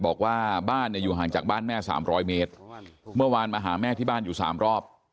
บอกว่าบ้านอยู่ห่างจากบ้านแม่๓๐๐เมตรเมื่อวานมาหาแม่ที่บ้านอยู่๓รอบ